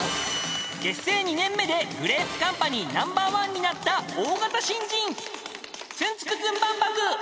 ［結成２年目でグレープカンパニーナンバーワンになった大型新人］